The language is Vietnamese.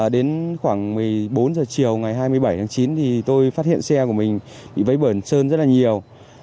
đến khoảng một mươi bốn h chiều ngày hai mươi bảy tháng chín thì tôi phát hiện xe của mình bị vấp bẩn sơn rất là nhiều